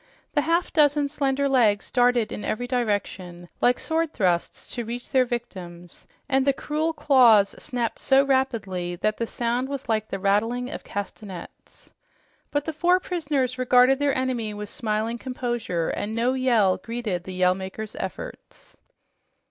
The half dozen slender legs darted in every direction like sword thrusts to reach their victims, and the cruel claws snapped so rapidly that the sound was like the rattling of castanets. But the four prisoners regarded their enemy with smiling composure, and no yell greeted the Yell Maker's efforts.